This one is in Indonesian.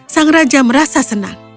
sang raja merasa senang